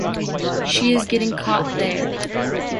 She is getting caught there.